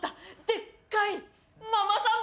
でっかいママさん